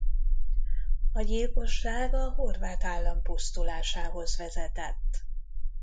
A gyilkosság a horvát állam pusztulásához vezetett.